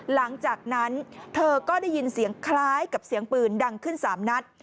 หลังจากนั้นเธอก็ได้ยินเสียงคล้ายกับเสียงปืนดังขึ้น๓นัด